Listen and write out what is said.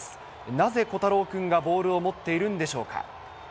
なぜ虎太郎君がボールを持っているんでしょうか。